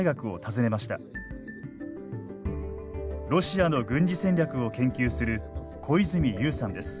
ロシアの軍事戦略を研究する小泉悠さんです。